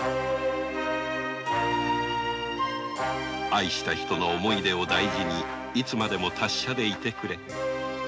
愛した人の思い出を大事に達者でいてくれ。